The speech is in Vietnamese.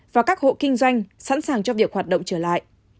và các hộ kinh doanh sẵn sàng cho việc hoạt động trở lại